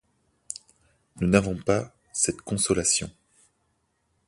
Nous n'avons pas cette consolation.